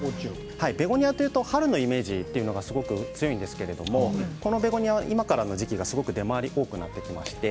ベゴニアというと春のイメージというのがすごく強いんですけれどこのベゴニアは今からの時期すごく出回りが多くなります。